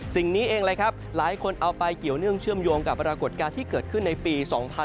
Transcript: สิ่งนี้เองเลยครับหลายคนเอาไปเกี่ยวเนื่องเชื่อมโยงกับปรากฏการณ์ที่เกิดขึ้นในปี๒๕๖๒